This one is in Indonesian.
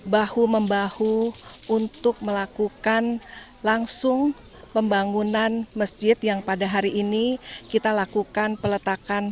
bahu membahu untuk melakukan langsung pembangunan masjid yang pada hari ini kita lakukan peletakan